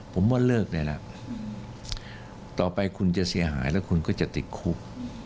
ผมว่าเลิกได้แล้วต่อไปคุณจะเสียหายแล้วคุณก็จะติดคุก